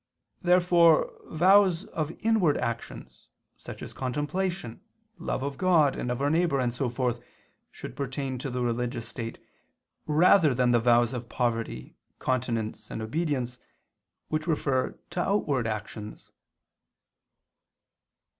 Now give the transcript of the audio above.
Therefore vows of inward actions, such as contemplation, love of God and our neighbor, and so forth, should pertain to the religious state, rather than the vows of poverty, continence, and obedience which refer to outward actions.